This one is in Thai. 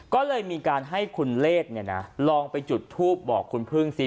ก็เลยมีการให้คุณเลศลองไปจุดทูปบอกคุณพึ่งซิ